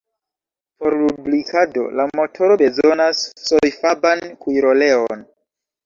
Por lubrikado la motoro bezonas sojfaban kuiroleon.